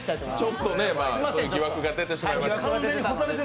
ちょっとね、そういう疑惑が出てしまいました。